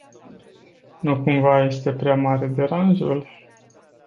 Nu cumva este prea mare deranjul?